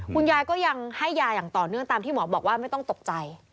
คุณยายก็ยังให้ยาอย่างต่อเนื่องตามที่หมอบอกว่าไม่ต้องตกใจ